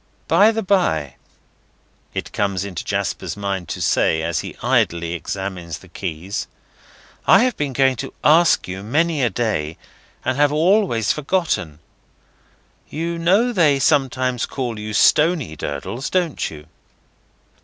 "By the bye," it comes into Jasper's mind to say, as he idly examines the keys, "I have been going to ask you, many a day, and have always forgotten. You know they sometimes call you Stony Durdles, don't you?"